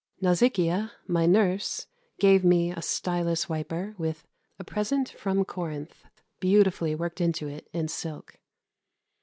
Nausicaa, my nurse, gave me a stylus wiper with "A Present from Corinth" beautifully worked into it in silk.